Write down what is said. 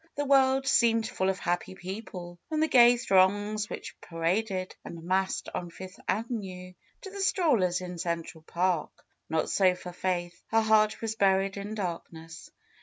The world seemed full of happy people, from the gay throngs which pa raded and massed on Fifth Avenue, to the strollers in Central Park. Not so for Faith; her heart was buried in darkness.